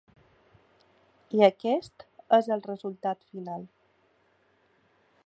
I aquest és el resultat final.